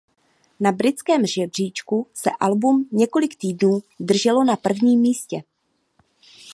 Na britském žebříčku se album několik týdnů drželo na prvním místě.